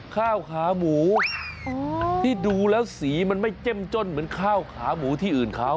ข้าวขาหมูที่ดูแล้วสีมันไม่เจ้มจ้นเหมือนข้าวขาหมูที่อื่นเขา